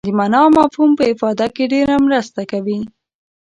د معنا او مفهوم په افاده کې ډېره مرسته کوي.